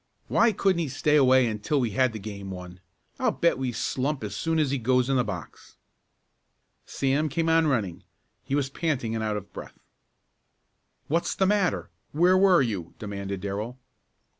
"Why couldn't he stay away until we had the game won? I'll bet we slump as soon as he goes in the box." Sam came on running. He was panting and out of breath. "What's the matter? Where were you?" demanded Darrell.